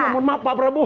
ya ampun maaf pak prabowo